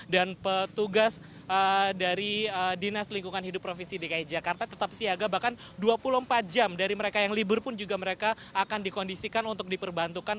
dan petugas dari dinas lingkungan hidup provinsi dki jakarta tetap siaga bahkan dua puluh empat jam dari mereka yang libur pun juga mereka akan dikondisikan untuk diperbantukan